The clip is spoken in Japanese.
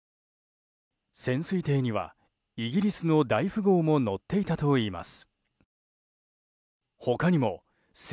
潜水艇にはイギリスの大富豪も乗っていたといいます。